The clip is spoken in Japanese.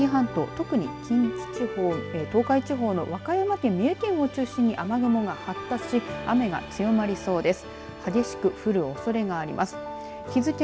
特に近畿地方と東海地方の和歌山県、三重県を中心に雨雲、発達し雨が強まりそうです。